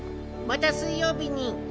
また水曜日に！